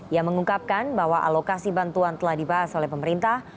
ia mengungkapkan bahwa alokasi bantuan telah dibahas oleh pemerintah